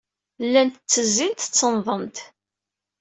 Llant ttezzint, ttennḍent.